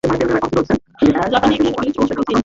জাপানে একটি সরকারি ছুটির দিন।